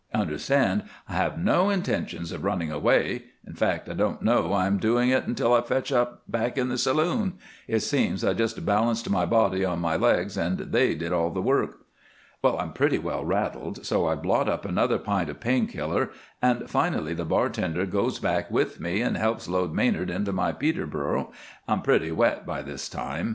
Understand, I have no intentions of running away in fact, I don't know I'm doing it until I fetch up back in the saloon. It seems I just balanced my body on my legs and they did all the work. "Well, I'm pretty well rattled, so I blot up another pint of pain killer, and finally the bartender goes back with me and helps load Manard into my Peterboro. I'm pretty wet by this time.